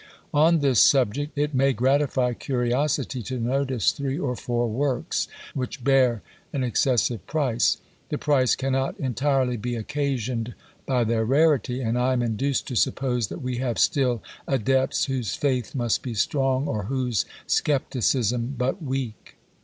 On this subject, it may gratify curiosity to notice three or four works, which hear an excessive price. The price cannot entirely be occasioned by their rarity, and I am induced to suppose that we have still adepts, whose faith must be strong, or whose scepticism but weak.